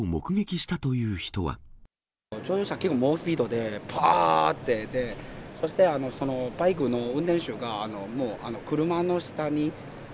乗用車、結構、猛スピードで、ぱーって、で、そしてバイクの運転手がもう車の下に。